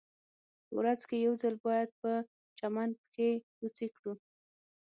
په ورځ کې یو ځل باید په چمن پښې لوڅې کړو